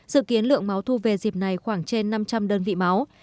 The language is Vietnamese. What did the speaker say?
dự kiến lượng máu thu về dịp này khoảng trên năm trăm linh đơn vị máu